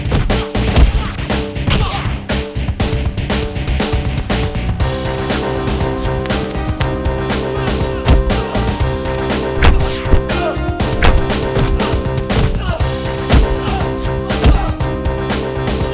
jadi lo berdua nantangin gua